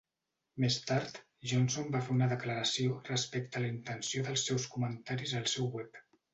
Més tard, Johnson va fer una declaració respecte a la intenció dels seus comentaris al seu web.